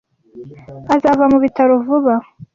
Azava mu bitaro vuba.